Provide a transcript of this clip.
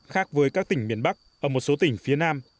khác với các tỉnh miền bắc ở một số tỉnh phía nam